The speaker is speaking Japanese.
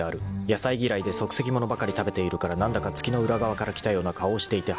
［野菜嫌いで即席物ばかり食べているから何だか月の裏側から来たような顔をしていてはなはだ不気味だ］